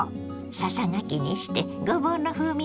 ささがきにしてごぼうの風味を味わう